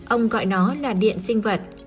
ông gọi nó là điện sinh vật